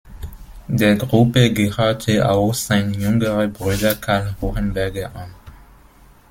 Der Gruppe gehörte auch sein jüngerer Bruder Karl Hohenberger an.